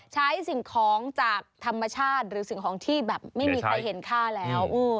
ใช้สิ่งของจากธรรมชาติหรือสิ่งของที่แบบไม่มีใครเห็นค่าแล้ว